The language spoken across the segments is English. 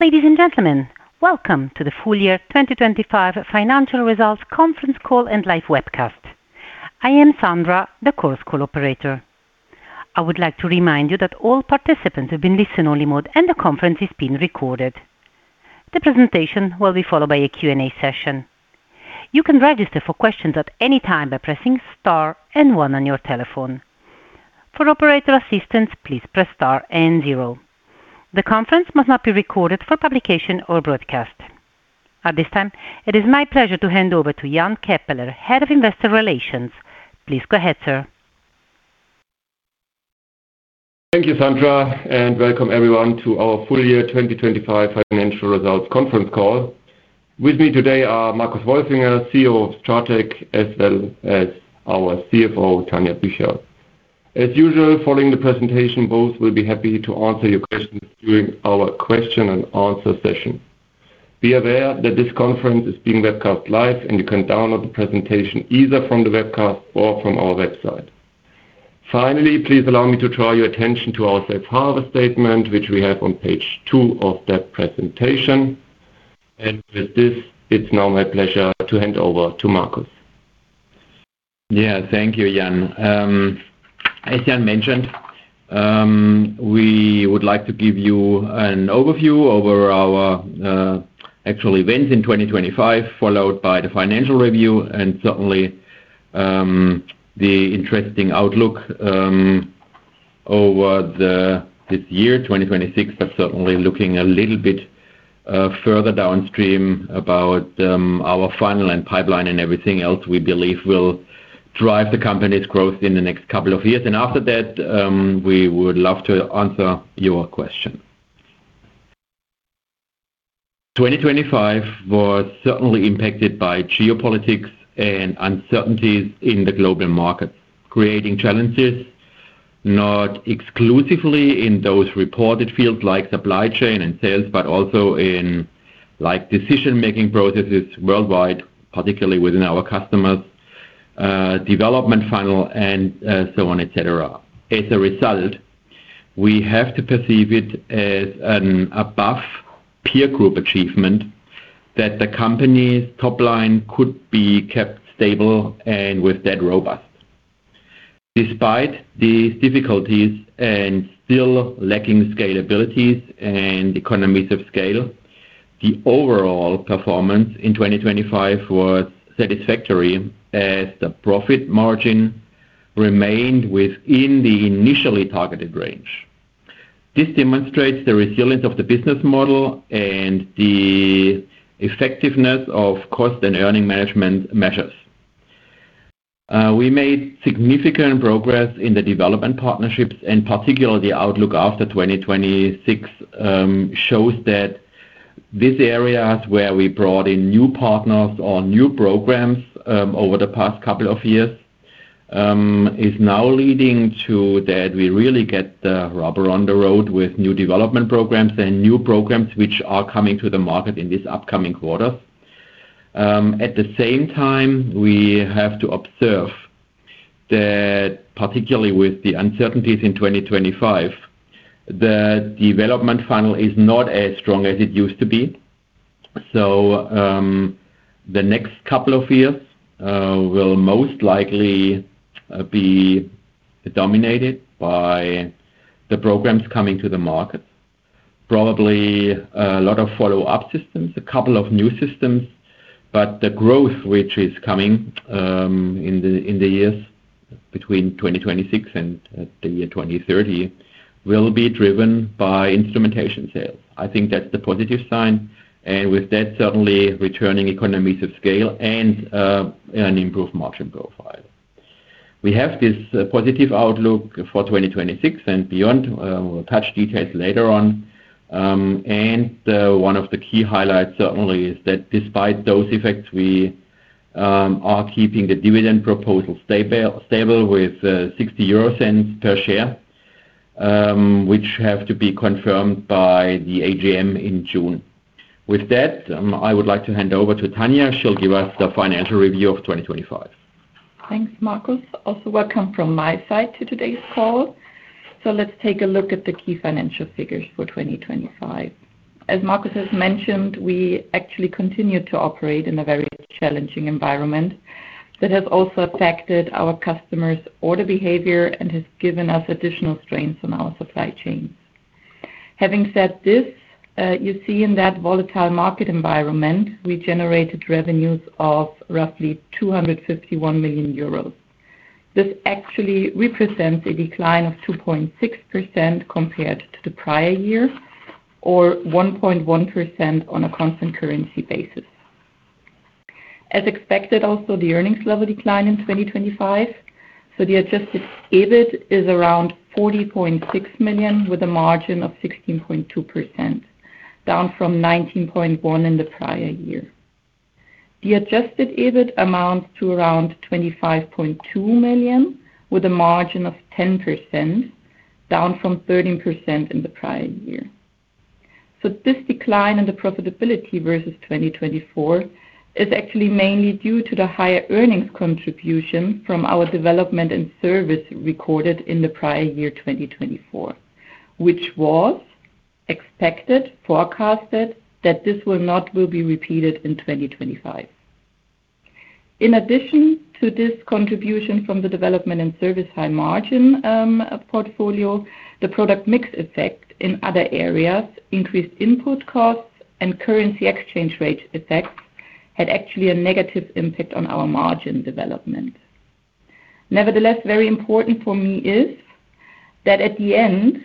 Ladies and gentlemen, welcome to the full year 2025 financial results conference call and live webcast. I am Sandra, the call's call operator. I would like to remind you that all participants have been listen only mode and the conference is being recorded. The presentation will be followed by a Q&A session. You can register for questions at any time by pressing star one on your telephone. For operator assistance, please press star zero. The conference must not be recorded for publication or broadcast. At this time, it is my pleasure to hand over to Jan Keppeler, Head of Investor Relations. Please go ahead, sir. Thank you, Sandra, and welcome everyone to our full year 2025 financial results conference call. With me today are Marcus Wolfinger, CEO of STRATEC, as well as our CFO, Tanja Bücherl. As usual, following the presentation, both will be happy to answer your questions during our question and answer session. Be aware that this conference is being webcast live, and you can download the presentation either from the webcast or from our website. Finally, please allow me to draw your attention to our safe harbor statement, which we have on page two of that presentation. With this, it's now my pleasure to hand over to Marcus. Thank you, Jan. As Jan mentioned, we would like to give you an overview over our actual events in 2025, followed by the financial review and certainly the interesting outlook this year, 2026. Certainly looking a little bit further downstream about our funnel and pipeline and everything else we believe will drive the company's growth in the next couple of years. After that, we would love to answer your question. 2025 was certainly impacted by geopolitics and uncertainties in the global markets, creating challenges not exclusively in those reported fields like supply chain and sales, but also in like decision-making processes worldwide, particularly within our customers, development funnel and so on, et cetera. As a result, we have to perceive it as an above peer group achievement that the company's top line could be kept stable and with that, robust. Despite these difficulties and still lacking scalabilities and economies of scale, the overall performance in 2025 was satisfactory as the profit margin remained within the initially targeted range. This demonstrates the resilience of the business model and the effectiveness of cost and earning management measures. We made significant progress in the development partnerships, and particularly outlook after 2026 shows that these areas where we brought in new partners or new programs over the past couple of years is now leading to that we really get the rubber on the road with new development programs and new programs which are coming to the market in this upcoming quarter. At the same time, we have to observe that particularly with the uncertainties in 2025, the development funnel is not as strong as it used to be. The next couple of years will most likely be dominated by the programs coming to the market. Probably a lot of follow-up systems, a couple of new systems, but the growth which is coming in the years between 2026 and the year 2030 will be driven by instrumentation sales. I think that's the positive sign. With that certainly returning economies of scale and an improved margin profile. We have this positive outlook for 2026 and beyond. We'll touch details later on. One of the key highlights certainly is that despite those effects, we are keeping the dividend proposal stable with 0.60 per share, which have to be confirmed by the AGM in June. With that, I would like to hand over to Tanja. She'll give us the financial review of 2025. Thanks, Marcus. Also welcome from my side to today's call. Let's take a look at the key financial figures for 2025. As Marcus has mentioned, we actually continued to operate in a very challenging environment that has also affected our customers' order behavior and has given us additional strains on our supply chain. Having said this, you see in that volatile market environment, we generated revenues of roughly 251 million euros. This actually represents a decline of 2.6% compared to the prior year or 1.1% on a constant currency basis. As expected, also, the earnings level declined in 2025, so the adjusted EBIT is around 40.6 million with a margin of 16.2%, down from 19.1% in the prior year. The adjusted EBIT amounts to around 25.2 million, with a margin of 10%, down from 13% in the prior year. This decline in the profitability versus 2024 is actually mainly due to the higher earnings contribution from our Development and Services recorded in the prior year, 2024, which was expected, forecasted that this will not be repeated in 2025. In addition to this contribution from the Development and Services high margin portfolio, the product mix effect in other areas increased input costs and currency exchange rate effects had actually a negative impact on our margin development. Nevertheless, very important for me is that at the end,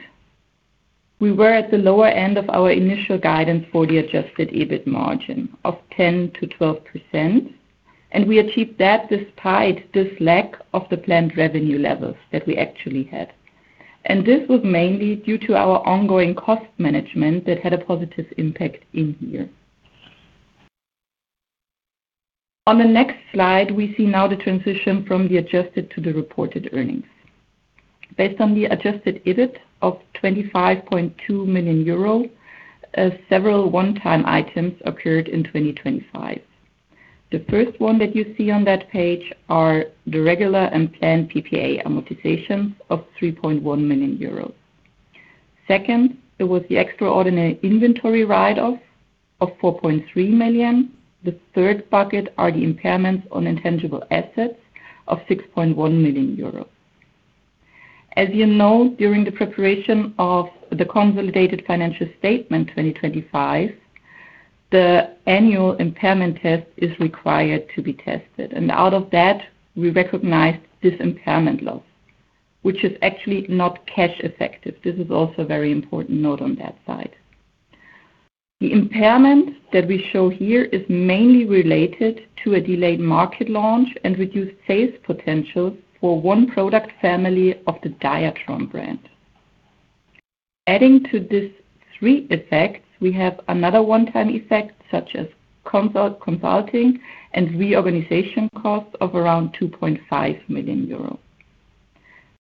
we were at the lower end of our initial guidance for the adjusted EBIT margin of 10%-12%. We achieved that despite this lack of the planned revenue levels that we actually had. This was mainly due to our ongoing cost management that had a positive impact in here. On the next slide, we see now the transition from the adjusted to the reported earnings. Based on the adjusted EBIT of 25.2 million euro, several one-time items occurred in 2025. The first one that you see on that page are the regular and planned PPA amortizations of 3.1 million euros. Second, there was the extraordinary inventory write-off of 4.3 million. The third bucket are the impairments on intangible assets of 6.1 million euros. As you know, during the preparation of the consolidated financial statement 2025, the annual impairment test is required to be tested. Out of that, we recognized this impairment loss, which is actually not cash effective. This is also a very important note on that side. The impairment that we show here is mainly related to a delayed market launch and reduced sales potential for one product family of the Diatron brand. Adding to these three effects, we have another one-time effect, such as consulting and reorganization costs of around 2.5 million euro.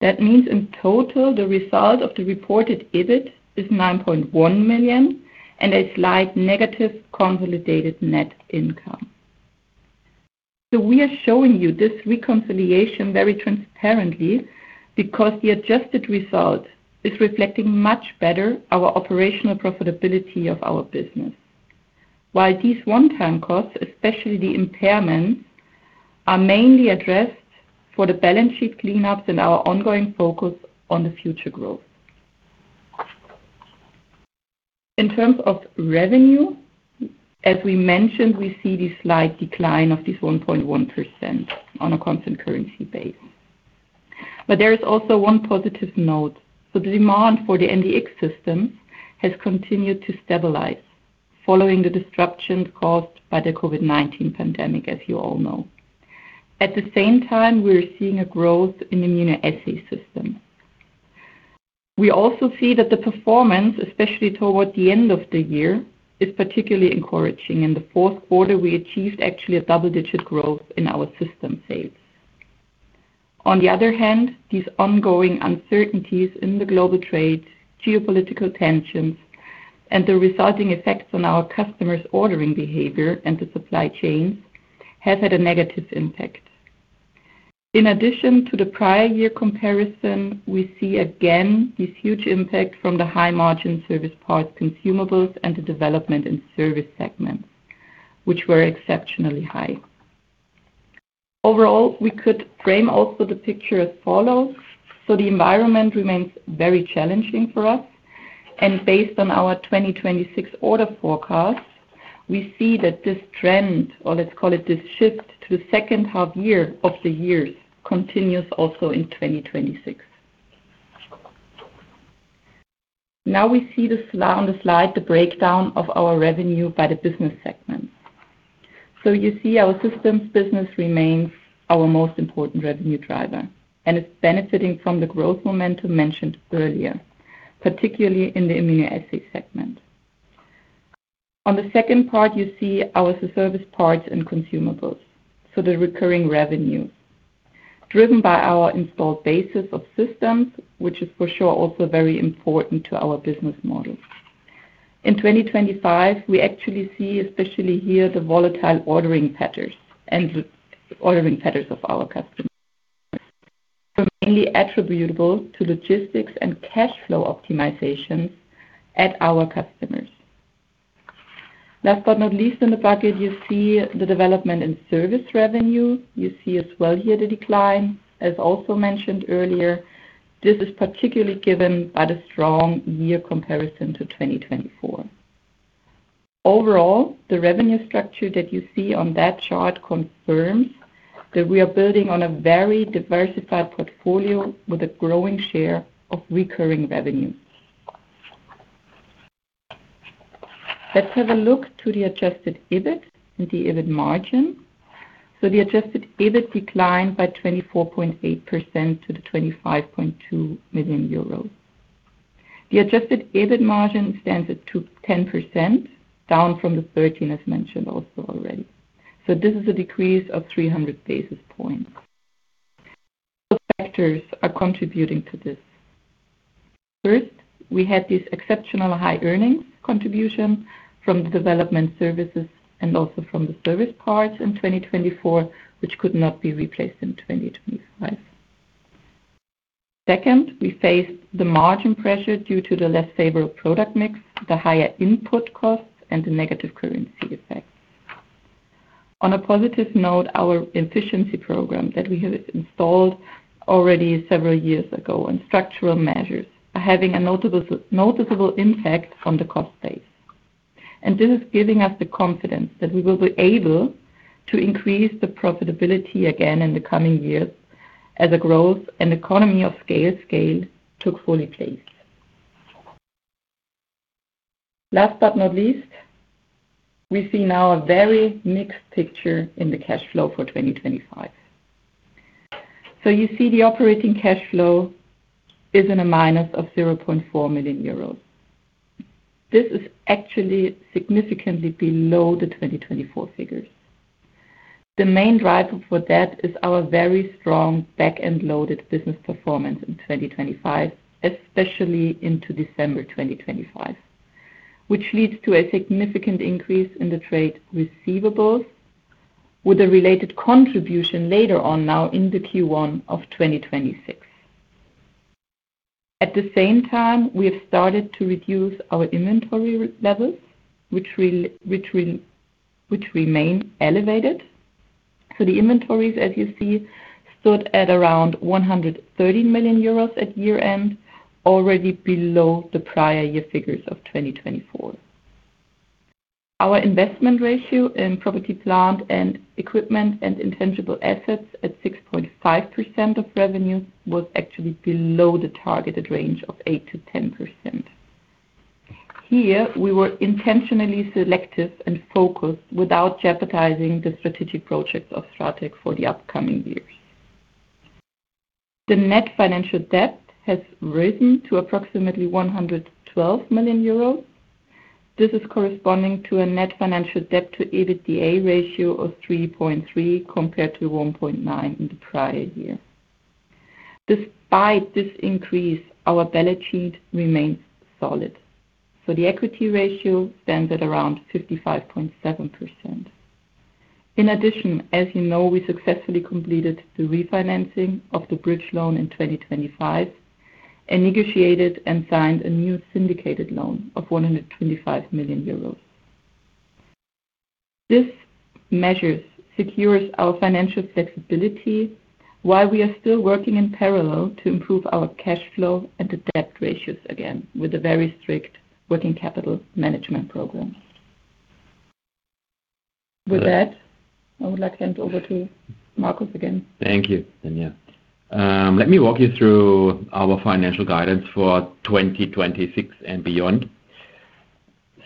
In total, the result of the reported EBIT is 9.1 million and a slight negative consolidated net income. We are showing you this reconciliation very transparently because the adjusted result is reflecting much better our operational profitability of our business. While these one-time costs, especially the impairments, are mainly addressed for the balance sheet cleanups and our ongoing focus on the future growth. In terms of revenue, as we mentioned, we see the slight decline of this 1.1% on a constant currency base. There is also one positive note. The demand for the MDx systems has continued to stabilize following the disruptions caused by the COVID-19 pandemic, as you all know. At the same time, we are seeing a growth in immunoassay systems. We also see that the performance, especially toward the end of the year, is particularly encouraging. In the Q4, we achieved actually a double-digit growth in our system sales. On the other hand, these ongoing uncertainties in the global trade, geopolitical tensions, and the resulting effects on our customers' ordering behavior and the supply chains have had a negative impact. In addition to the prior year comparison, we see again this huge impact from the high margin Service Parts and Consumables and the Development and Services segments, which were exceptionally high. Overall, we could frame also the picture as follows. The environment remains very challenging for us. Based on our 2026 order forecast, we see that this trend, or let's call it this shift to the H2 year of the year, continues also in 2026. Now we see on the slide, the breakdown of our revenue by the business segment. You see our systems business remains our most important revenue driver and is benefiting from the growth momentum mentioned earlier, particularly in the immunoassay segment. On the second part, you see our Service Parts and Consumables, so the recurring revenue driven by our installed basis of systems, which is for sure also very important to our business model. In 2025, we actually see, especially here, the volatile ordering patterns and the ordering patterns of our customers, were mainly attributable to logistics and cash flow optimization at our customers. Last but not least, in the bucket, you see the development in service revenue. You see as well here the decline. As also mentioned earlier, this is particularly given by the strong year comparison to 2024. Overall, the revenue structure that you see on that chart confirms that we are building on a very diversified portfolio with a growing share of recurring revenue. Let's have a look to the adjusted EBIT and the EBIT margin. The adjusted EBIT declined by 24.8% to 25.2 million euros. The adjusted EBIT margin stands at 10%, down from the 13%, as mentioned also already. This is a decrease of 300 basis points. Factors are contributing to this. First, we had this exceptional high earnings contribution from the Development and Services and also from the Service Parts in 2024, which could not be replaced in 2025. Second, we face the margin pressure due to the less favorable product mix, the higher input costs, and the negative currency effect. On a positive note, our efficiency program that we have installed already several years ago and structural measures are having a noticeable impact on the cost base. This is giving us the confidence that we will be able to increase the profitability again in the coming years as the growth and economy of scale took fully place. Last but not least, we see now a very mixed picture in the cash flow for 2025. You see the operating cash flow is in a minus of 0.4 million euros. This is actually significantly below the 2024 figures. The main driver for that is our very strong back-end loaded business performance in 2025, especially into December 2025, which leads to a significant increase in the trade receivables with a related contribution later on now in the Q1 of 2026. At the same time, we have started to reduce our inventory levels, which remain elevated. The inventories, as you see, stood at around 130 million euros at year-end, already below the prior year figures of 2024. Our investment ratio in property, plant, and equipment and intangible assets at 6.5% of revenue was actually below the targeted range of 8%-10%. Here, we were intentionally selective and focused without jeopardizing the strategic projects of STRATEC for the upcoming years. The net financial debt has risen to approximately 112 million euros. This is corresponding to a net financial debt to EBITDA ratio of 3.3 compared to 1.9 in the prior year. Despite this increase, our balance sheet remains solid, the equity ratio stands at around 55.7%. In addition, as you know, we successfully completed the refinancing of the bridge loan in 2025 and negotiated and signed a new syndicated loan of 125 million euros. This measures secures our financial flexibility while we are still working in parallel to improve our cash flow and the debt ratios again with a very strict working capital management program. With that, I would like to hand over to Marcus again. Thank you, Tanja. Let me walk you through our financial guidance for 2026 and beyond.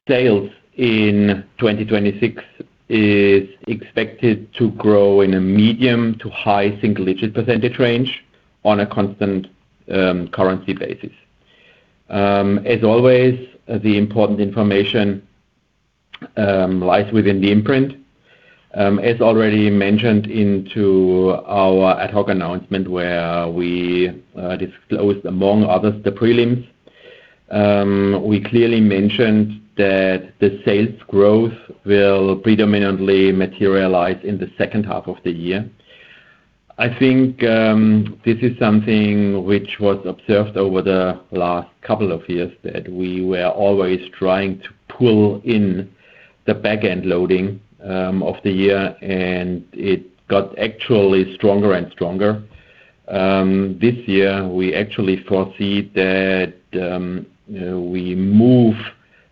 Sales in 2026 is expected to grow in a medium to high single-digit percentage range on a constant currency basis. As always, the important information lies within the imprint. As already mentioned into our ad hoc announcement where we disclosed, among others, the prelims, we clearly mentioned that the sales growth will predominantly materialize in the H2 of the year. I think this is something which was observed over the last couple of years that we were always trying to pull in the back-end loading of the year, and it got actually stronger and stronger. This year, we actually foresee that we move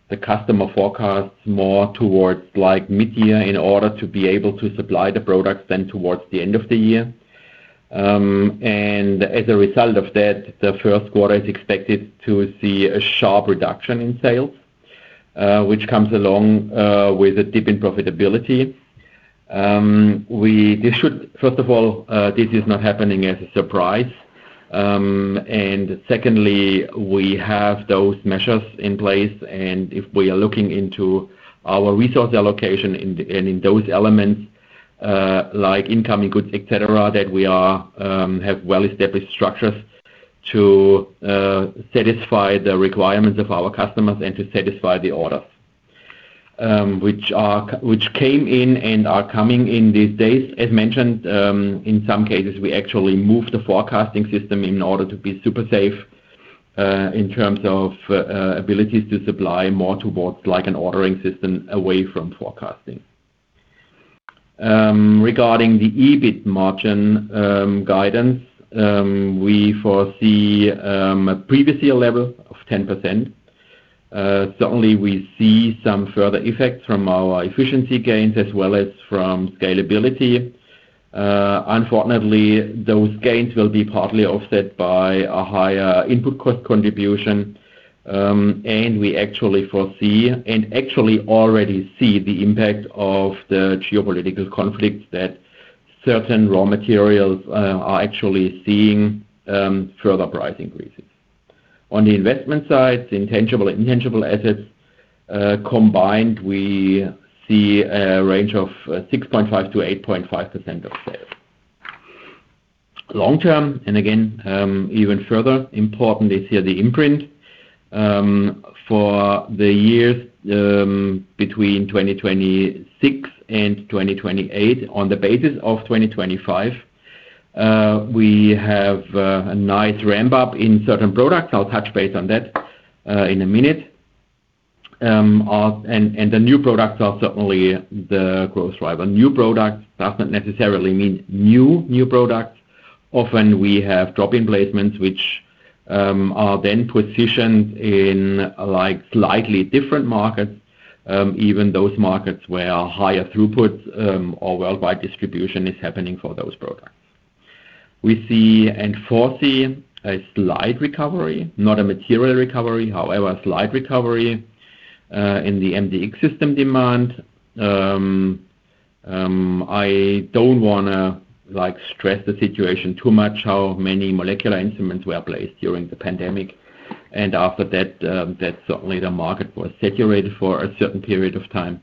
the customer forecasts more towards like mid-year in order to be able to supply the products than towards the end of the year. As a result of that, the Q1 is expected to see a sharp reduction in sales, which comes along with a dip in profitability. First of all, this is not happening as a surprise. Secondly, we have those measures in place, and if we are looking into our resource allocation in, and in those elements, like incoming goods, et cetera, that we are have well-established structures to satisfy the requirements of our customers and to satisfy the orders which came in and are coming in these days. As mentioned, in some cases, we actually moved the forecasting system in order to be super safe, in terms of abilities to supply more towards like an ordering system away from forecasting. Regarding the EBIT margin guidance, we foresee a previous year level of 10%. Certainly we see some further effects from our efficiency gains as well as from scalability. Unfortunately, those gains will be partly offset by a higher input cost contribution, and we actually foresee and actually already see the impact of the geopolitical conflicts that certain raw materials are actually seeing further price increases. On the investment side, the intangible and tangible assets combined, we see a range of 6.5%-8.5% of sales. Long term, again, even further importantly here, the imprint for the years between 2026 and 2028 on the basis of 2025, we have a nice ramp up in certain products. I'll touch base on that in a minute. The new products are certainly the growth driver. New products doesn't necessarily mean new products. Often we have drop-in placements which are then positioned in, like, slightly different markets, even those markets where higher throughputs or worldwide distribution is happening for those products. We see and foresee a slight recovery, not a material recovery, however, a slight recovery in the MDx system demand. I don't wanna, like, stress the situation too much, how many molecular instruments were placed during the pandemic. After that certainly the market was saturated for a certain period of time.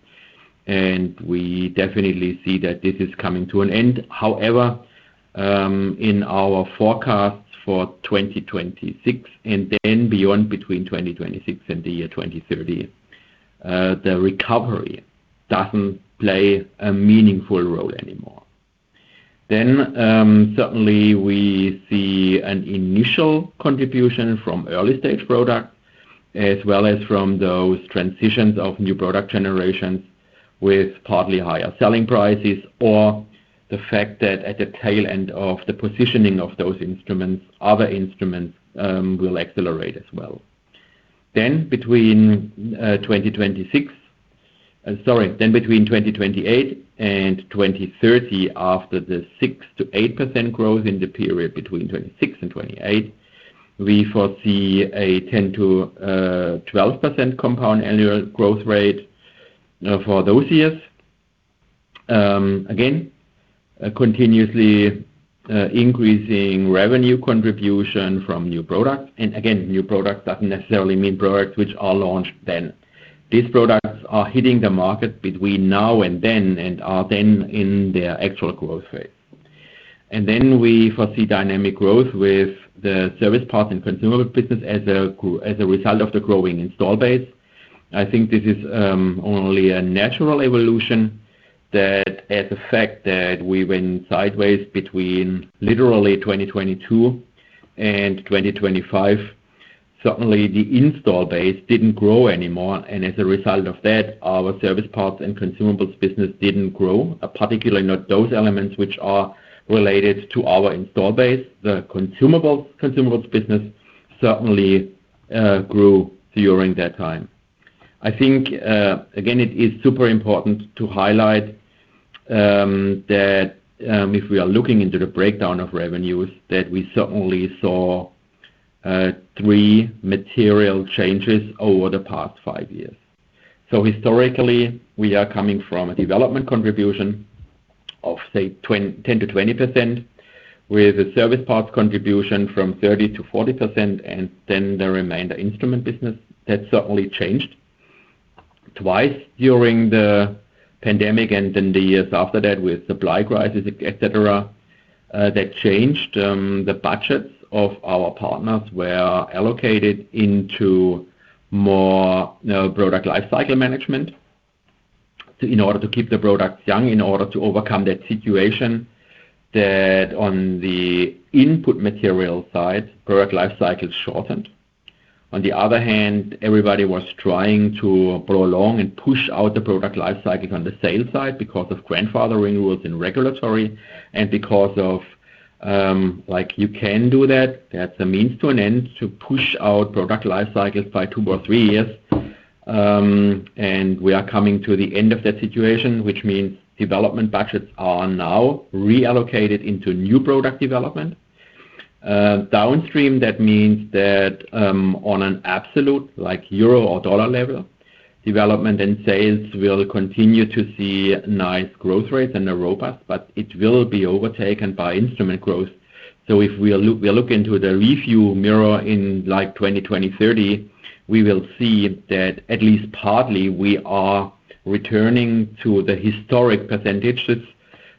We definitely see that this is coming to an end. However, in our forecasts for 2026 and then beyond between 2026 and the year 2030, the recovery doesn't play a meaningful role anymore. Then certainly we see an initial contribution from early-stage products as well as from those transitions of new product generations with partly higher selling prices or the fact that at the tail end of the positioning of those instruments, other instruments, will accelerate as well. Between 2028 and 2030, after the 6%-8% growth in the period between 2026 and 2028, we foresee a 10%-12% compound annual growth rate for those years. A continuously increasing revenue contribution from new products. New products doesn't necessarily mean products which are launched then. These products are hitting the market between now and then, and are then in their actual growth phase. We foresee dynamic growth with the Service Parts and Consumables business as a result of the growing install base. I think this is only a natural evolution that as the fact that we went sideways between literally 2022 and 2025, certainly the install base didn't grow anymore. Our Service Parts and Consumables business didn't grow, particularly not those elements which are related to our install base. The Consumables business certainly grew during that time. I think, again, it is super important to highlight that if we are looking into the breakdown of revenues, that we certainly saw three material changes over the past five years. Historically, we are coming from a development contribution of, say, 10%-20% with a service parts contribution from 30%-40%, and then the remainder instrument business. That certainly changed twice during the pandemic and then the years after that with supply crises, et cetera. That changed, the budgets of our partners were allocated into more product lifecycle management in order to keep the products young, in order to overcome that situation that on the input material side, product life cycles shortened. On the other hand, everybody was trying to prolong and push out the product life cycle on the sales side because of grandfather renewals in regulatory and because of, like, you can do that. That's a means to an end to push out product life cycles by two or three years. We are coming to the end of that situation, which means development budgets are now reallocated into new product development. Downstream, that means that, on an absolute, like EUR or USD level, development and sales will continue to see nice growth rates and are robust, but it will be overtaken by instrument growth. If we look into the rearview mirror in, like, 2030, we will see that at least partly we are returning to the historic percentages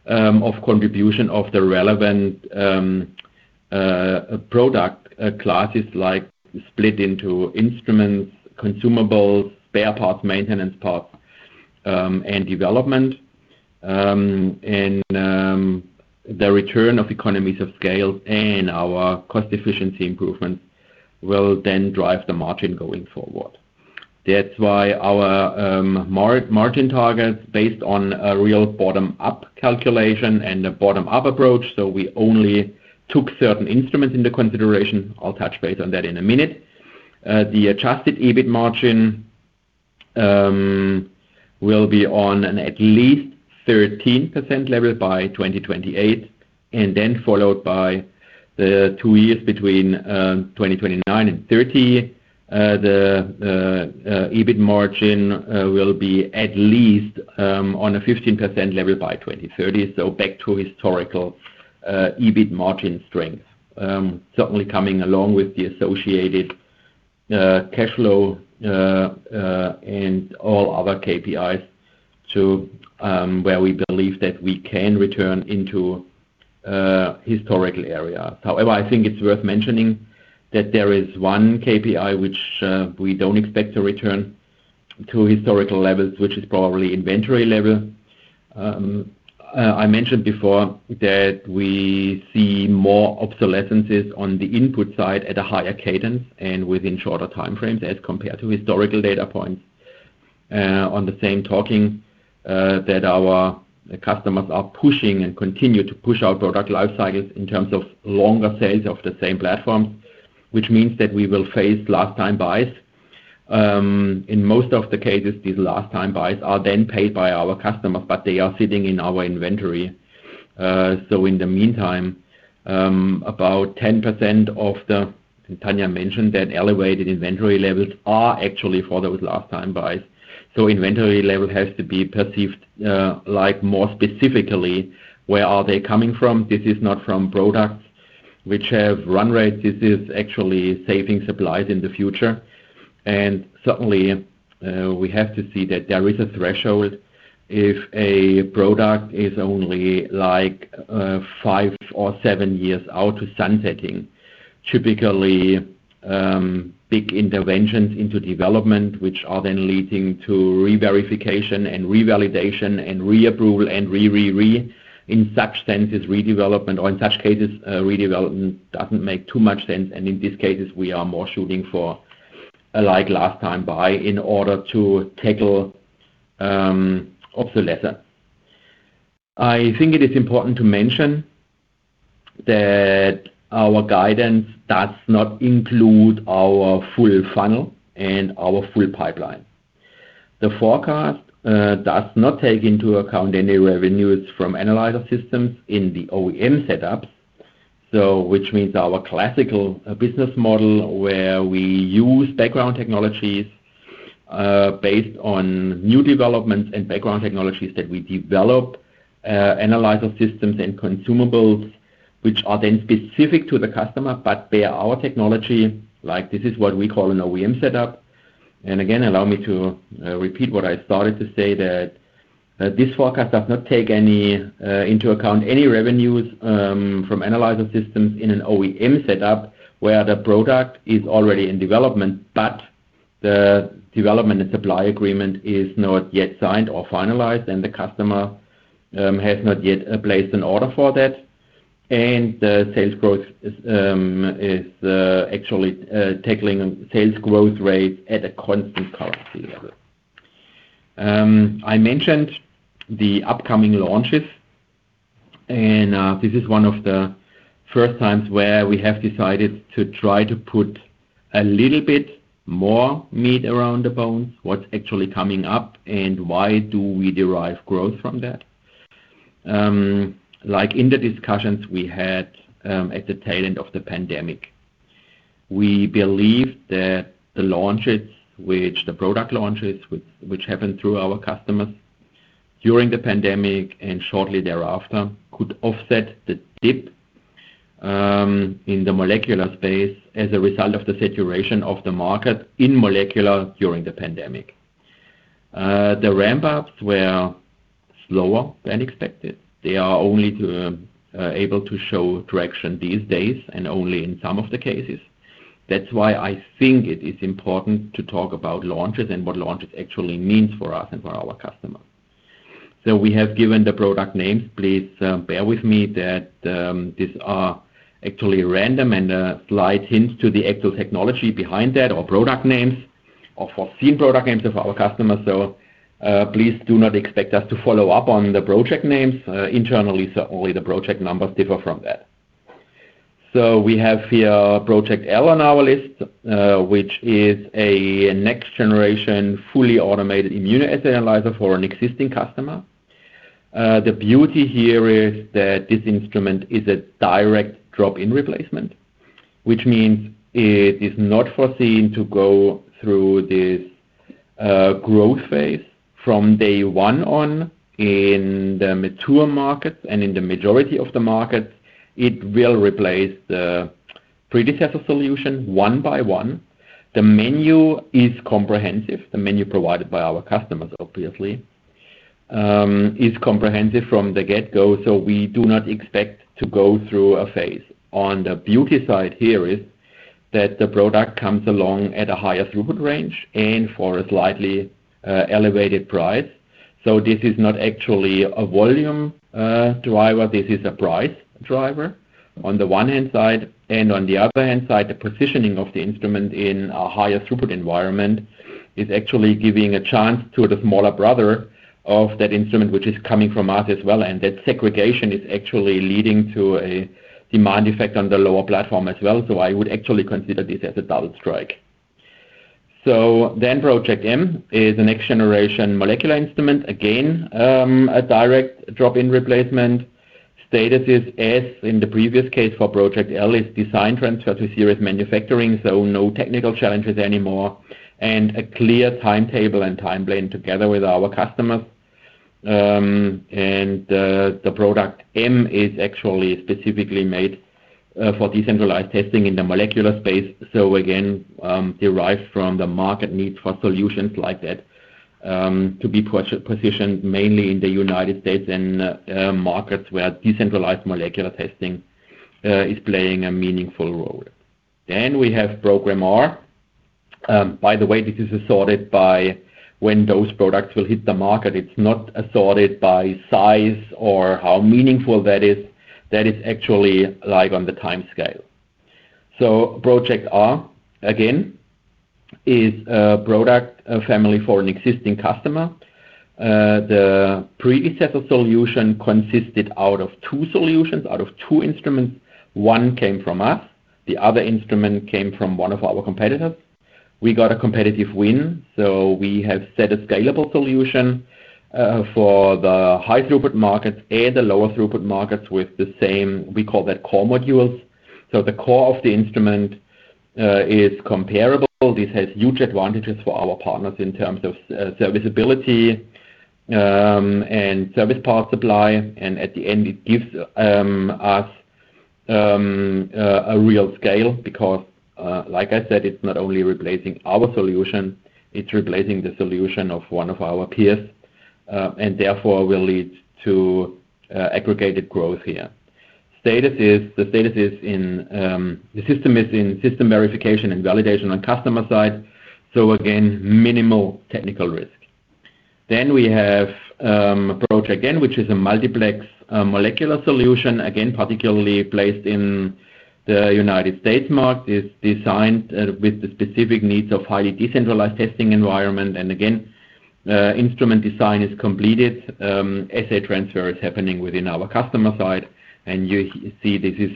of contribution of the relevant product classes like split into instruments, consumables, spare parts, maintenance parts, and development. The return of economies of scale and our cost efficiency improvements will then drive the margin going forward. That's why our margin target is based on a real bottom-up calculation and a bottom-up approach, so we only took certain instruments into consideration. I'll touch base on that in a minute. The adjusted EBIT margin will be on an at least 13% level by 2028, and then followed by the two years between 2029 and 2030. The EBIT margin will be at least on a 15% level by 2030. Back to historical EBIT margin strength, certainly coming along with the associated cash flow and all other KPIs. To where we believe that we can return into historical area. I think it's worth mentioning that there is one KPI which we don't expect to return to historical levels, which is probably inventory level. I mentioned before that we see more obsolescences on the input side at a higher cadence and within shorter time frames as compared to historical data points. On the same talking, that our customers are pushing and continue to push our product life cycles in terms of longer sales of the same platform, which means that we will face last time buys. In most of the cases, these last time buys are paid by our customers, but they are sitting in our inventory. In the meantime about 10% of the... Tanja mentioned that elevated inventory levels are actually for those last time buys. Inventory level has to be perceived, like more specifically, where are they coming from? This is not from products which have run rates. This is actually saving supplies in the future. Certainly, we have to see that there is a threshold. If a product is only like five or seven years out to sunsetting, typically, big interventions into development, which are leading to reverification and revalidation and reapproval and in such senses, redevelopment, or in such cases, redevelopment doesn't make too much sense. In these cases, we are more shooting for a like last time buy in order to tackle obsolescence. I think it is important to mention that our guidance does not include our full funnel and our full pipeline. The forecast does not take into account any revenues from analyzer systems in the OEM setups. Which means our classical business model where we use background technologies, based on new developments and background technologies that we develop, analyzer systems and consumables, which are then specific to the customer, but they are our technology. Like, this is what we call an OEM setup. Again, allow me to repeat what I started to say that this forecast does not take any into account any revenues from analyzer systems in an OEM setup where the product is already in development, but the development and supply agreement is not yet signed or finalized, and the customer has not yet placed an order for that. The sales growth is actually tackling sales growth rates at a constant currency level. I mentioned the upcoming launches, and this is one of the first times where we have decided to try to put a little bit more meat around the bones, what's actually coming up and why do we derive growth from that. Like in the discussions we had, at the tail end of the pandemic, we believed that the product launches which happened through our customers during the pandemic and shortly thereafter, could offset the dip in the molecular space as a result of the saturation of the market in molecular during the pandemic. The ramp-ups were slower than expected. They are only able to show traction these days and only in some of the cases. That's why I think it is important to talk about launches and what launches actually means for us and for our customers. We have given the product names. Please bear with me that these are actually random and slight hints to the actual technology behind that or product names or foreseen product names of our customers. Please do not expect us to follow up on the project names. Internally, only the project numbers differ from that. We have here Project L on our list, which is a next-generation, fully automated immunoassay analyzer for an existing customer. The beauty here is that this instrument is a direct drop-in replacement, which means it is not foreseen to go through this growth phase. From day one on in the mature markets and in the majority of the markets, it will replace the predecessor solution one by one. The menu is comprehensive. The menu provided by our customers, obviously, is comprehensive from the get-go, we do not expect to go through a phase. On the beauty side here is that the product comes along at a higher throughput range and for a slightly elevated price. This is not actually a volume driver. This is a price driver on the one hand side. On the other hand side, the positioning of the instrument in a higher throughput environment is actually giving a chance to the smaller brother of that instrument, which is coming from us as well. That segregation is actually leading to a demand effect on the lower platform as well. I would actually consider this as a double strike. Project M is a next-generation molecular instrument. Again, a direct drop-in replacement. Status is, as in the previous case for Project L, is design transfer to series manufacturing, so no technical challenges anymore, and a clear timetable and timeline together with our customers. Product M is actually specifically made for decentralized testing in the molecular space. Again, derived from the market need for solutions like that, to be positioned mainly in the United States and markets where decentralized molecular testing is playing a meaningful role. We have Program R. By the way, this is assorted by when those products will hit the market. It's not assorted by size or how meaningful that is. That is actually like on the timescale. Project R, again, is a product family for an existing customer. The predecessor solution consisted out of two solutions, out of two instruments. One came from us, the other instrument came from one of our competitors. We got a competitive win, we have set a scalable solution for the high-throughput markets and the lower-throughput markets with the same. We call that core modules. The core of the instrument is comparable. This has huge advantages for our partners in terms of serviceability and service part supply. At the end, it gives us a real scale because, like I said, it's not only replacing our solution, it's replacing the solution of one of our peers and therefore will lead to aggregated growth here. The system is in system verification and validation on customer side. Again, minimal technical risk. We have Project N, which is a multiplex molecular solution, again, particularly placed in the United States market. It's designed with the specific needs of highly decentralized testing environment. Again, instrument design is completed. Assay transfer is happening within our customer side. You see this is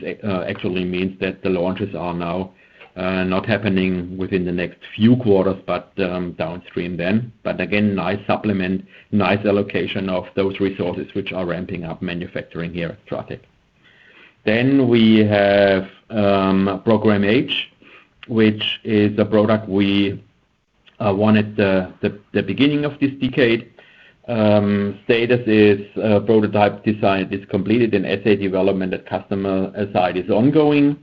actually means that the launches are now not happening within the next few quarters, but downstream then. Again, nice supplement, nice allocation of those resources which are ramping up manufacturing here at STRATEC. Then we have Program H, which is a product we wanted the beginning of this decade. Status is prototype design is completed and assay development at customer side is ongoing.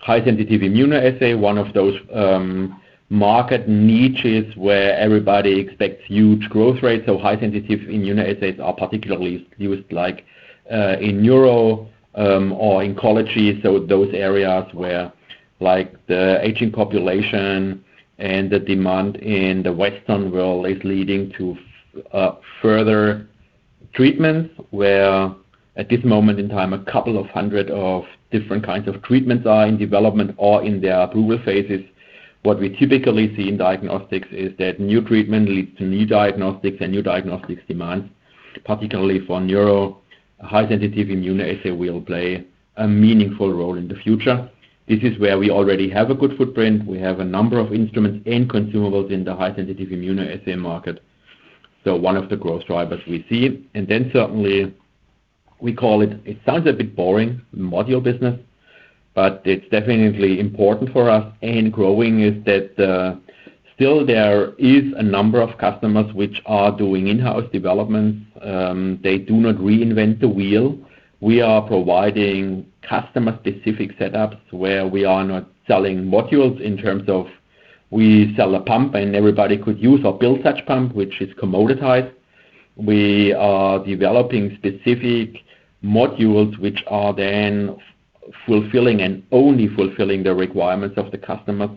High-sensitivity immunoassay, one of those market niches where everybody expects huge growth rates. High-sensitivity immunoassays are particularly used like in neuro or oncology. Those areas where like the aging population and the demand in the Western world is leading to further treatments, where at this moment in time, a couple of hundred of different kinds of treatments are in development or in their approval phases. What we typically see in diagnostics is that new treatment leads to new diagnostics and new diagnostics demands, particularly for neuro. High-sensitivity immunoassay will play a meaningful role in the future. This is where we already have a good footprint. We have a number of instruments and consumables in the high-sensitivity immunoassay market. One of the growth drivers we see. Then certainly we call it sounds a bit boring, module business, but it's definitely important for us and growing, is that still there is a number of customers which are doing in-house developments. They do not reinvent the wheel. We are providing customer-specific setups where we are not selling modules in terms of we sell a pump and everybody could use or build such pump, which is commoditized. We are developing specific modules which are then fulfilling and only fulfilling the requirements of the customer,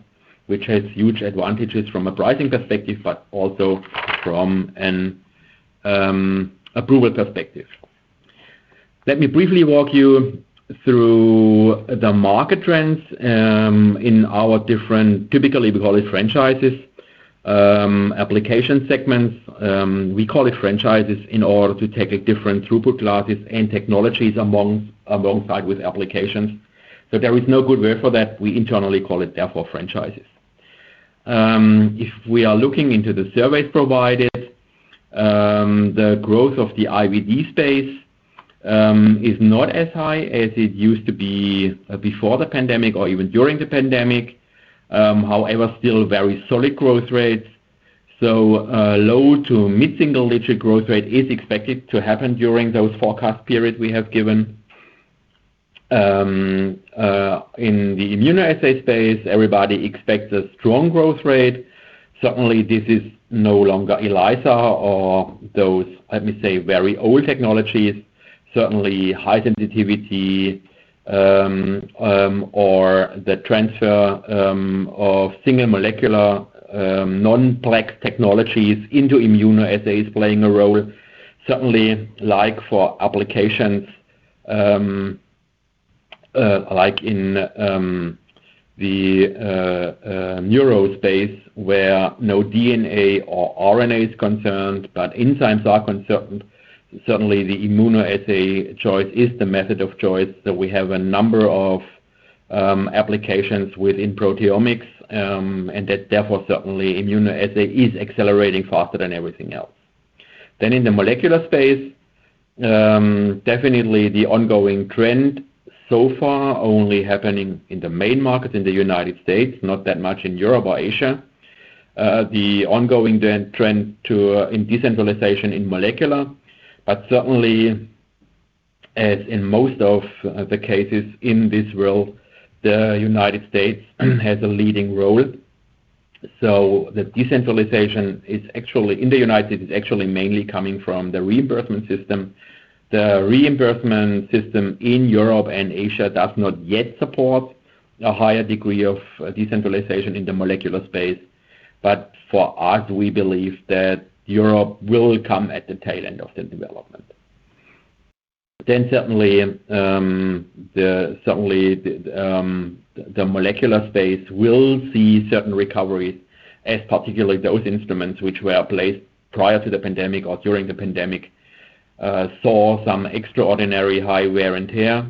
which has huge advantages from a pricing perspective, but also from an approval perspective. Let me briefly walk you through the market trends in our different, typically we call it franchises, application segments. We call it franchises in order to take different throughput classes and technologies alongside with applications. There is no good way for that. We internally call it therefore franchises. If we are looking into the surveys provided, the growth of the IVD space is not as high as it used to be before the pandemic or even during the pandemic. Still very solid growth rates. Low to mid-single-digit growth rate is expected to happen during those forecast periods we have given. In the United States, everybody expects a strong growth rate. Certainly, this is no longer ELISA or those, let me say, very old technologies. Certainly, high-sensitivity or the transfer of single molecular non-plex technologies into Immunoassays playing a role. Certainly, like for applications, like in the neuro space where no DNA or RNA is concerned, but enzymes are concerned. Certainly the Immunoassay choice is the method of choice. We have a number of applications within proteomics and that therefore, certainly immunoassay is accelerating faster than everything else. In the molecular space, definitely the ongoing trend so far only happening in the main market in the United States, not that much in Europe or Asia. The ongoing trend in decentralization in molecular, certainly as in most of the cases in this world, the United States has a leading role. The decentralization in the United States is actually mainly coming from the reimbursement system. The reimbursement system in Europe and Asia does not yet support a higher degree of decentralization in the molecular space. For us, we believe that Europe will come at the tail end of the development. Certainly the molecular space will see certain recoveries as particularly those instruments which were placed prior to the pandemic or during the pandemic saw some extraordinary high wear and tear.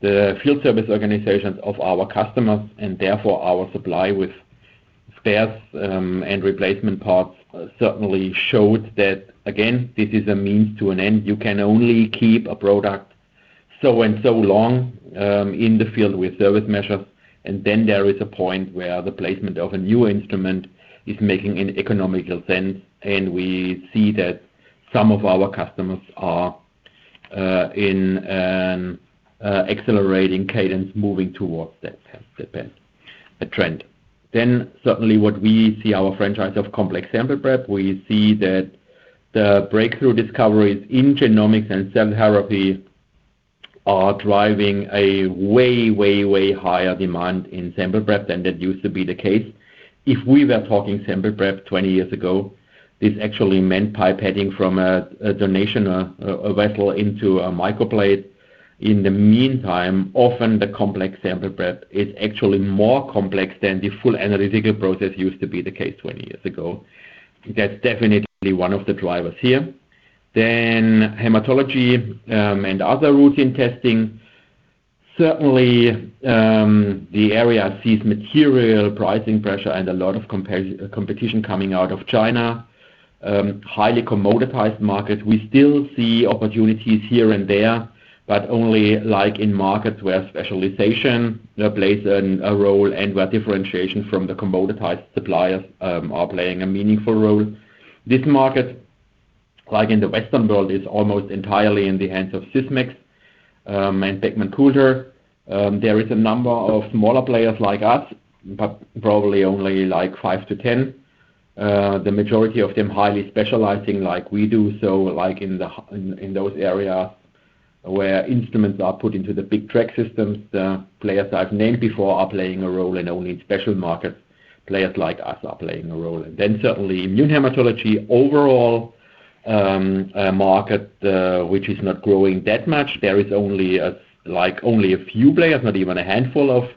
The field service organizations of our customers, and therefore our supply with spares, and replacement parts, certainly showed that, again, this is a means to an end. You can only keep a product so and so long in the field with service measures, and then there is a point where the placement of a new instrument is making an economical sense, and we see that some of our customers are in an accelerating cadence moving towards that path, the trend. Certainly what we see our franchise of complex sample prep, we see that the breakthrough discoveries in genomics and cell therapy are driving a way, way higher demand in sample prep than that used to be the case. If we were talking sample prep 20 years ago, this actually meant pipetting from a donation, a vessel into a microplate. In the meantime, often the complex sample prep is actually more complex than the full analytical process used to be the case 20 years ago. That's definitely one of the drivers here. Hematology and other routine testing. Certainly, the area sees material pricing pressure and a lot of competition coming out of China. Highly commoditized market. We still see opportunities here and there, but only like in markets where specialization plays a role and where differentiation from the commoditized suppliers are playing a meaningful role. This market, like in the Western world, is almost entirely in the hands of Sysmex and Beckman Coulter. There is a number of smaller players like us, but probably only like five to 10. The majority of them highly specializing like we do, so like in those area where instruments are put into the big track systems, the players I've named before are playing a role, and only in special markets players like us are playing a role. Certainly immune hematology overall, a market which is not growing that much. There is only a few players, not even a handful of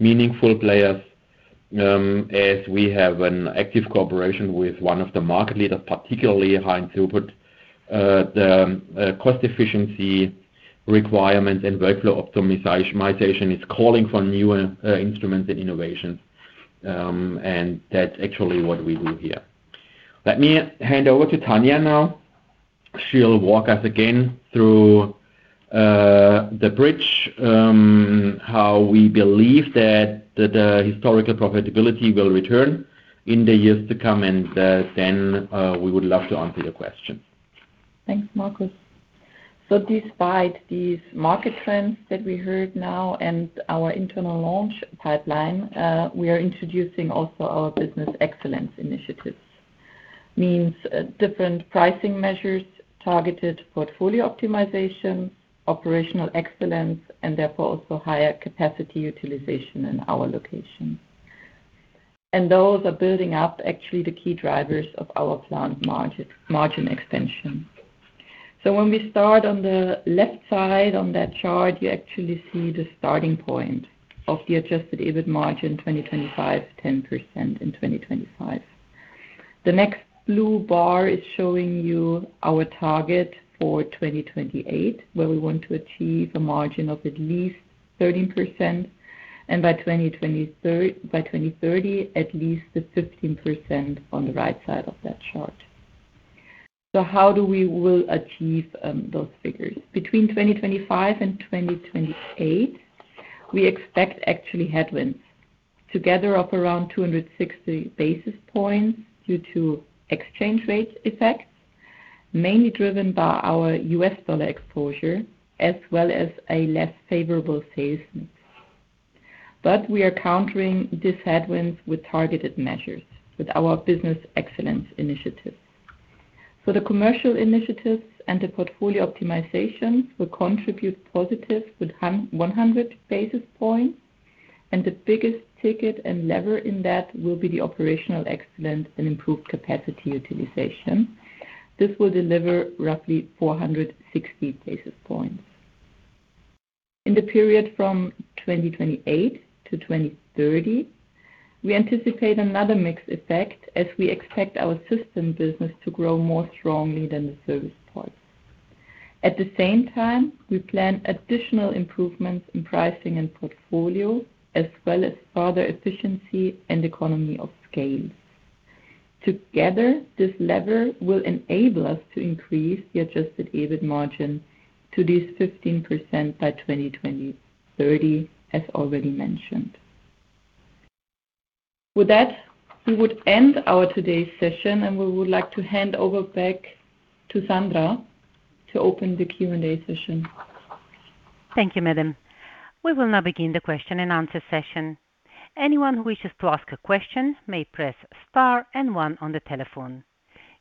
meaningful players. As we have an active cooperation with one of the market leaders, particularly high in throughput, the cost efficiency requirements and workflow optimization is calling for newer instruments and innovations, and that's actually what we do here. Let me hand over to Tanja now. She'll walk us again through the bridge, how we believe that the historical profitability will return in the years to come, and then we would love to answer your questions. Thanks, Marcus. Despite these market trends that we heard now and our internal launch pipeline, we are introducing also our Business Excellence initiatives. Means, different pricing measures, targeted portfolio optimization, Operational Excellence, and therefore also higher capacity utilization in our location. Those are building up actually the key drivers of our planned margin expansion. When we start on the left side on that chart, you actually see the starting point of the adjusted EBIT margin 2025, 10% in 2025. The next blue bar is showing you our target for 2028, where we want to achieve a margin of at least 13%, and by 2030, at least the 15% on the right side of that chart. How do we will achieve those figures? Between 2025 and 2028, we expect actually headwinds to gather up around 260 basis points due to exchange rate effects, mainly driven by our US dollar exposure, as well as a less favorable sales mix. We are countering these headwinds with targeted measures with our business excellence initiatives. The commercial initiatives and the portfolio optimization will contribute positive with 100 basis points, and the biggest ticket and lever in that will be the operational excellence and improved capacity utilization. This will deliver roughly 460 basis points. In the period from 2028 to 2030, we anticipate another mixed effect as we expect our system business to grow more strongly than the service parts. At the same time, we plan additional improvements in pricing and portfolio, as well as further efficiency and economy of scale. Together, this lever will enable us to increase the adjusted EBIT margin to this 15% by 2030 as already mentioned. With that, we would end our today's session, and we would like to hand over back to Sandra to open the Q&A session. Thank you, madam. We will now begin the question and answer session. Anyone who wishes to ask a question may press star and one on the telephone.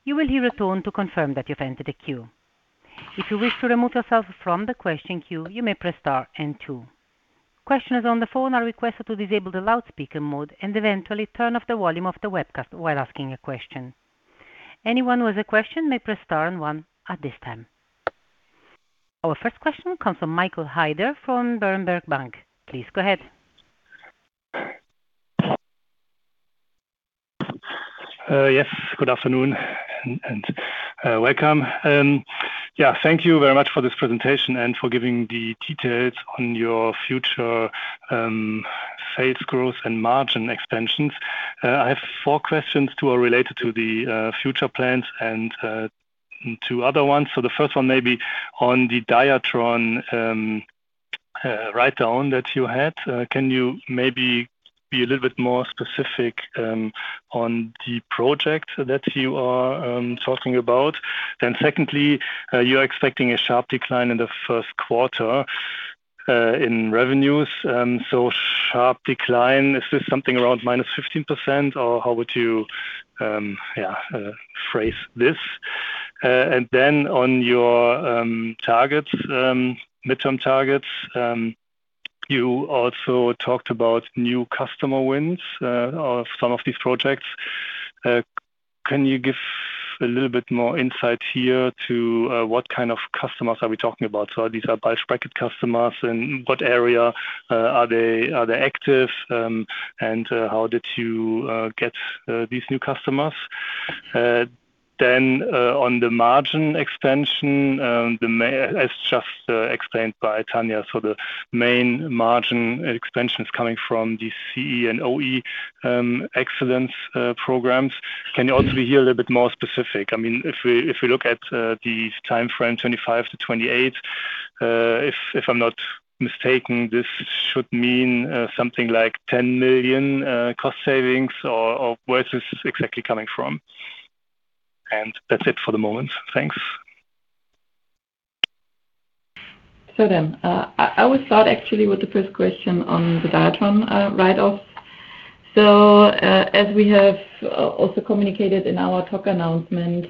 You will hear a tone to confirm that you've entered a queue. If you wish to remove yourself from the question queue, you may press star and two. Questioners on the phone are requested to disable the loudspeaker mode and eventually turn off the volume of the webcast while asking a question. Anyone who has a question may press star and one at this time. Our first question comes from Michael Heider from Berenberg Bank. Please go ahead. Yes, good afternoon and welcome. Thank you very much for this presentation and for giving the details on your future sales growth and margin extensions. I have four questions, two are related to the future plans and two other ones. The first one may be on the Diatron write down that you had. Can you maybe be a little bit more specific on the project that you are talking about? Secondly, you're expecting a sharp decline in the Q1 in revenues. Sharp decline, is this something around -15% or how would you phrase this? On your targets, midterm targets, you also talked about new customer wins or some of these projects. Can you give a little bit more insight here to what kind of customers are we talking about? Are these are price bracket customers? In what area are they active? And how did you get these new customers? On the margin extension, the main as just explained by Tanja. The main margin extension is coming from the CE and OE excellence programs. Can you also be here a little bit more specific? I mean, if we look at the timeframe 2025 to 2028, if I'm not mistaken, this should mean something like 10 million cost savings or where is this exactly coming from? That's it for the moment. Thanks. I would start actually with the first question on the Diatron write off. As we have also communicated in our talk announcement,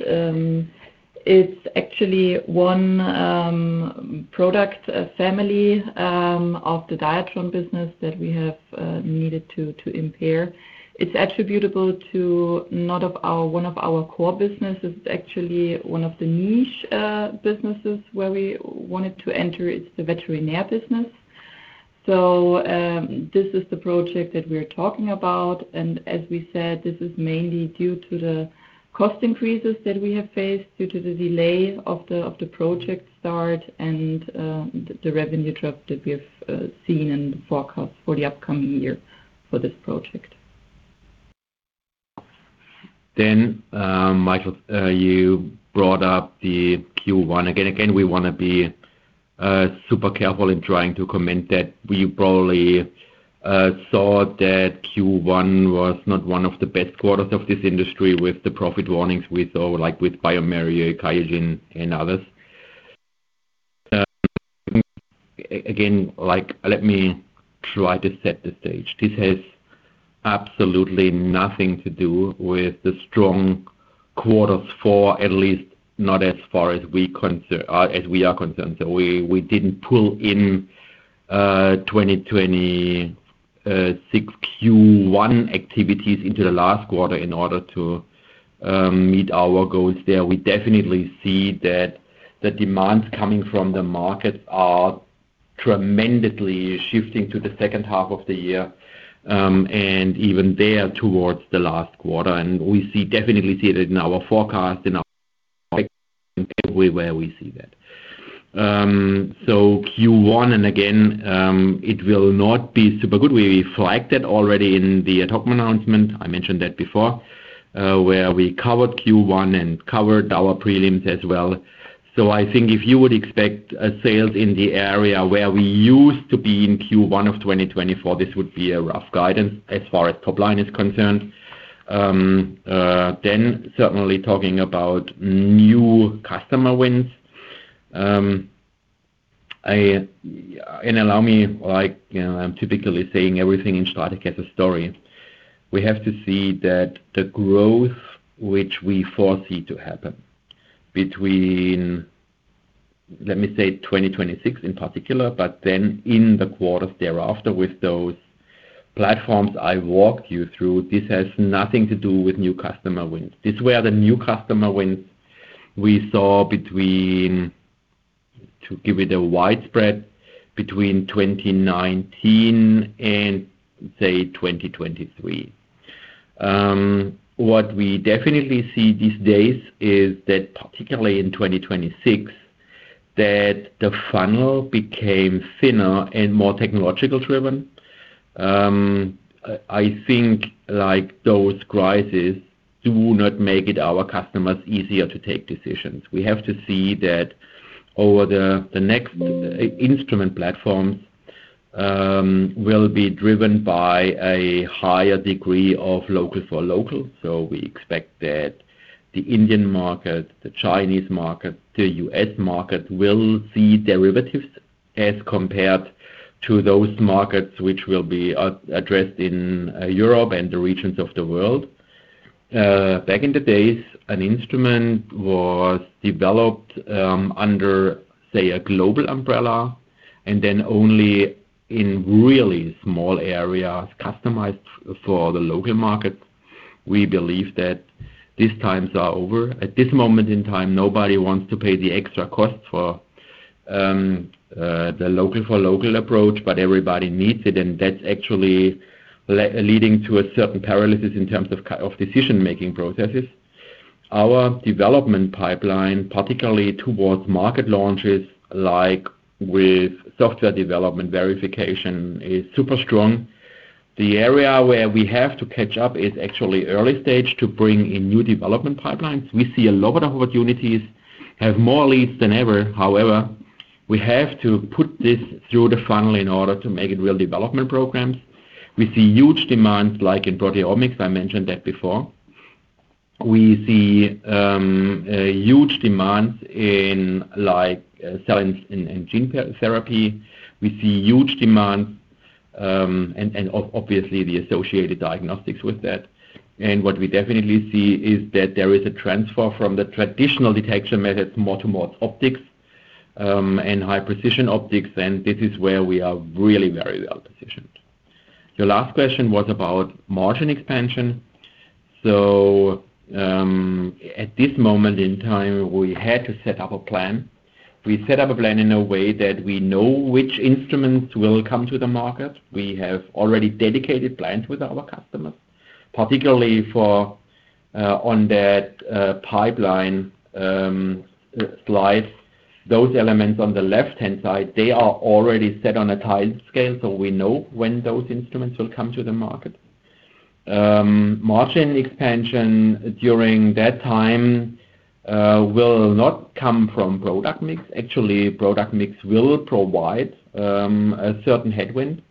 it's actually one product family of the Diatron business that we have needed to impair. It's attributable to not of our, one of our core businesses. It's actually one of the niche businesses where we wanted to enter. It's the veterinary business. This is the project that we're talking about. As we said, this is mainly due to the cost increases that we have faced due to the delay of the project start and the revenue drop that we have seen in the forecast for the upcoming year for this project. Then Michael, you brought up the Q1. Again, we want to be super careful in trying to comment that we probably saw that Q1 was not one of the best quarters of this industry with the profit warnings we saw, like with bioMérieux, QIAGEN, and others. Again, like, let me try to set the stage. This has absolutely nothing to do with the strong quarters for at least not as far as we are concerned. We did not pull in 2026 Q1 activities into the last quarter in order to meet our goals there. We definitely see that the demands coming from the markets are tremendously shifting to the H2 of the year, and even there towards the last quarter. We definitely see it in our forecast, in our Everywhere we see that. Q1, and again, it will not be super good. We flagged that already in the ad hoc announcement. I mentioned that before, where we covered Q1 and covered our prelims as well. I think if you would expect a sales in the area where we used to be in Q1 of 2024, this would be a rough guidance as far as top line is concerned. Certainly talking about new customer wins. Allow me, like, you know, I'm typically saying everything in STRATEC has a story. We have to see that the growth which we foresee to happen between, let me say, 2026 in particular, but then in the quarters thereafter with those platforms I walked you through, this has nothing to do with new customer wins. These were the new customer wins we saw between, to give it a widespread, between 2019 and, say, 2023. What we definitely see these days is that particularly in 2026, that the funnel became thinner and more technological driven. I think like those crises do not make it our customers easier to take decisions. We have to see that over the next instrument platforms will be driven by a higher degree of local for local. We expect that the Indian market, the Chinese market, the U.S. market will see derivatives as compared to those markets which will be addressed in Europe and the regions of the world. Back in the days, an instrument was developed under, say, a global umbrella and then only in really small areas customized for the local market. We believe that these times are over. At this moment in time, nobody wants to pay the extra cost for the local for local approach, but everybody needs it, and that's actually leading to a certain paralysis in terms of decision-making processes. Our development pipeline, particularly towards market launches, like with software development verification, is super strong. The area where we have to catch up is actually early stage to bring in new development pipelines. We see a lot of opportunities, have more leads than ever. We have to put this through the funnel in order to make it real development programs. We see huge demands like in proteomics, I mentioned that before. We see a huge demand in like science and gene therapy. We see huge demand and obviously the associated diagnostics with that. What we definitely see is that there is a transfer from the traditional detection methods, more to more optics and high precision optics, and this is where we are really very well-positioned. Your last question was about margin expansion. At this moment in time, we had to set up a plan. We set up a plan in a way that we know which instruments will come to the market. We have already dedicated plans with our customers, particularly for on that pipeline slide. Those elements on the left-hand side, they are already set on a timescale, so we know when those instruments will come to the market. Margin expansion during that time will not come from product mix. Actually, product mix will provide a certain headwind.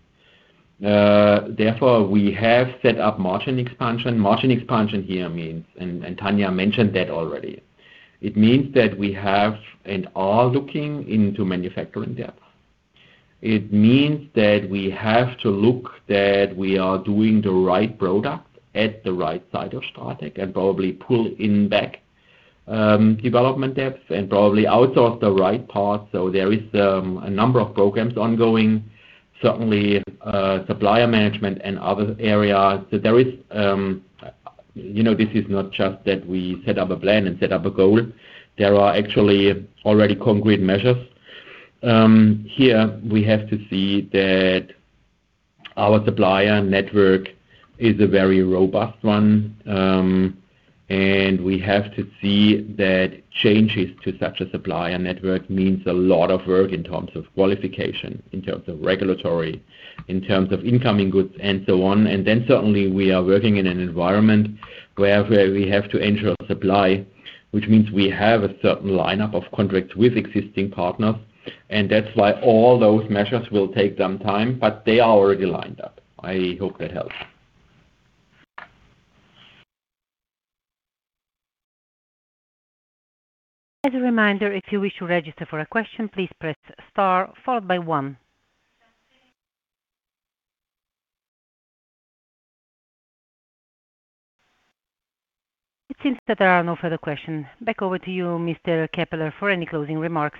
Therefore, we have set up margin expansion. Margin expansion here means, and Tanja mentioned that already. It means that we have and are looking into manufacturing depth. It means that we have to look that we are doing the right products at the right side of STRATEC and probably pull in back, development depths and probably outsource the right parts. There is a number of programs ongoing, certainly, supplier management and other areas. There is, you know, this is not just that we set up a plan and set up a goal. There are actually already concrete measures. Here we have to see that our supplier network is a very robust one, and we have to see that changes to such a supplier network means a lot of work in terms of qualification, in terms of regulatory, in terms of incoming goods, and so on. Certainly we are working in an environment where we have to ensure supply, which means we have a certain lineup of contracts with existing partners, and that's why all those measures will take some time, but they are already lined up. I hope that helps. As a reminder, if you wish to register for a question, please press star followed by one. It seems that there are no further questions. Back over to you, Mr. Keppeler, for any closing remarks.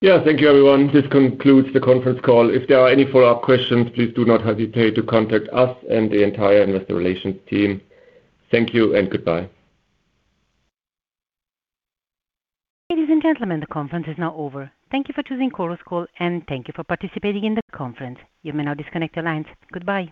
Yeah. Thank you, everyone. This concludes the conference call. If there are any follow-up questions, please do not hesitate to contact us and the entire investor relations team. Thank you and goodbye. Ladies and gentlemen, the conference is now over. Thank you for choosing Chorus Call, and thank you for participating in the conference. You may now disconnect your lines. Goodbye.